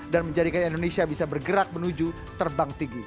dan menjadikan indonesia bisa bergerak menuju terbang tinggi